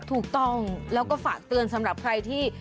ถูกต้องแล้วก็ฝากเตือนสำหรับใครที่